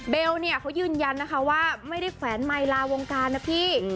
เนี่ยเขายืนยันนะคะว่าไม่ได้แขวนไมค์ลาวงการนะพี่